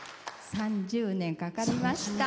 ３０年かかりました。